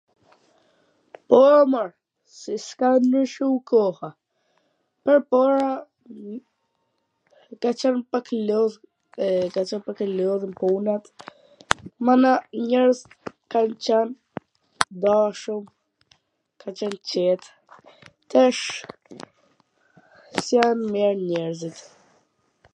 Po, mor, si s' ka ndryshu koha, e para ke Cen pak i lodh, pak i lodhur n punat, mana njerwz kan qwn t dashun, kan qwn t qet, tash s jan mir njerzit